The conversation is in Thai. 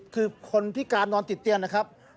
คือคนพิการนอนติดเตียงนะครับ